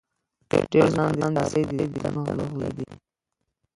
ډېر ځوانان د سارې د دیدن غله دي.